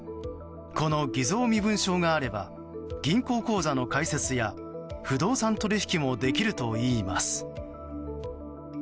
この偽造身分証があれば銀行口座の開設や不動産取引もできるといいます。